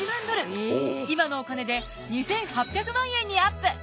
今のお金で２，８００万円にアップ！